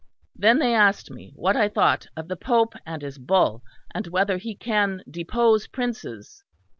Then they asked me what I thought of the Pope and his Bull, and whether he can depose princes.